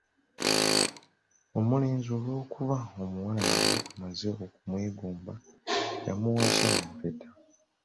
"Omulenzi olw’okuba omuwala yali amaze okumwegomba, yamuwasa empeta."